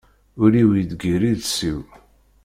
Ul-iw yeddeggir iles-iw.